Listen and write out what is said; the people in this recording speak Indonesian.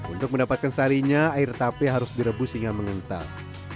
untuk mendapatkan sarinya air tape harus direbus hingga mengental